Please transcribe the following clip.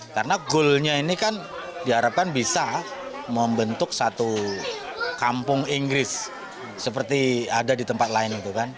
karena goal nya ini kan diharapkan bisa membentuk satu kampung inggris seperti ada di tempat lain